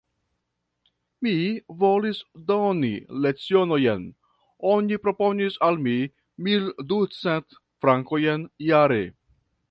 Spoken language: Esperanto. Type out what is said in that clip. Mi volis doni lecionojn: oni proponis al mi mil ducent frankojn jare.